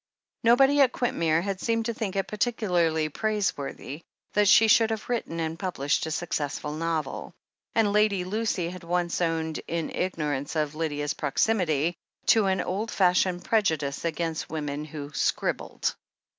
Nobody at Quintmere had seemed to think it par ticularly praiseworthy that she should have written and published a successful novel, and Lady Lucy had once owned, in ignorance of Lydia's proximity, to an old fashioned prejudice against women who "scribbled."